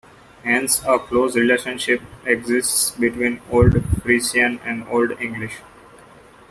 Hence, a close relationship exists between Old Frisian and Old English.